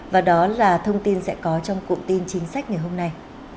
và đó là thông tin sẽ có trong cụm tin chính sách ngày hôm nay